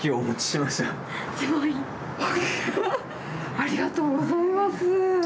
ありがとうございます！